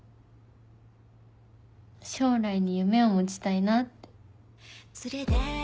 将来に夢を持ちたいなって。